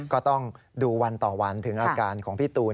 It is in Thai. ก็ต้องดูวันต่อวันถึงอาการของพี่ตูน